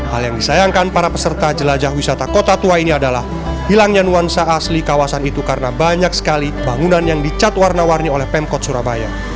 hal yang disayangkan para peserta jelajah wisata kota tua ini adalah hilangnya nuansa asli kawasan itu karena banyak sekali bangunan yang dicat warna warni oleh pemkot surabaya